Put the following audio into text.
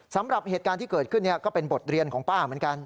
สำหรับเหตุการณ์ที่เกิดขึ้นก็เป็นบทเรียนของป้าเหมือนกัน